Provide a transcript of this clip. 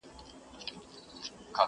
په صفت مړېده نه وه د ټوكرانو.!